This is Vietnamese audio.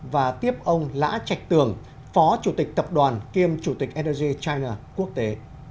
và tiếp ông lã trạch tường phó chủ tịch tập đoàn kiêm chủ tịch energy china quốc tế